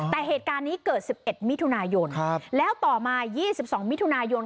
แต่เหตุการณ์นี้เกิด๑๑มิถุนายนแล้วต่อมา๒๒มิถุนายน